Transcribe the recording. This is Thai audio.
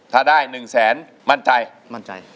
ถ้าได้๑แสนมั่นใจ